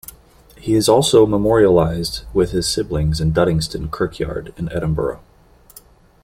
He is also memorialised with his siblings in Duddingston Kirkyard in Edinburgh.